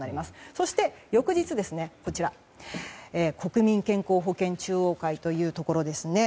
そして、翌日国民健康保険中央会というところです。